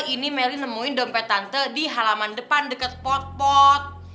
ini melly nemuin dompet tante di halaman depan dekat pot pot